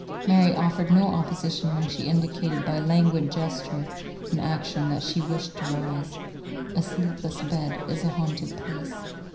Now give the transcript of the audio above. Mary offered no opposition when she indicated by languid gesture and action that she wished to rise. A sleepless bed is a haunted place.